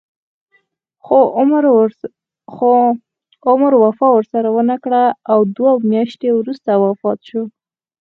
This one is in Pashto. خو عمر وفا ورسره ونه کړه او دوه میاشتې وروسته وفات شو.